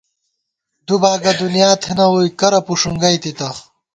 دُوباگہ دُنیا تھنہ ووئی، کرہ پݭُونگئی تِتہ